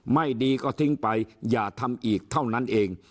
ไม่ดีก็ทิ้งไปอย่าทำอีกเท่านั้นเอง